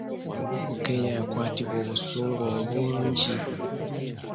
Bukenya yakwatibwa obusungu obungi!